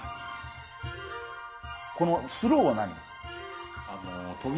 このスローは何？